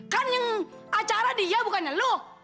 kan yang acara dia bukannya lo